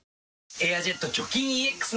「エアジェット除菌ＥＸ」